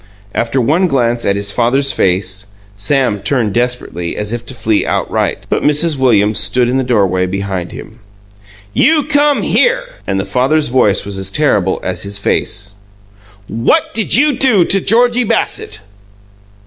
After one glance at his father's face, Sam turned desperately, as if to flee outright. But Mrs. Williams stood in the doorway behind him. "You come here!" And the father's voice was as terrible as his face. "WHAT DID YOU DO TO GEORGIE BASSETT?"